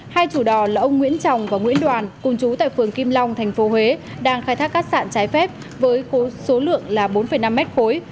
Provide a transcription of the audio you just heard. hai chủ đò là ông nguyễn trọng và nguyễn đoàn cùng chú tại phường kim long tp huế đang khai thác cát sạn trái phép với khối số lượng là bốn năm mét khối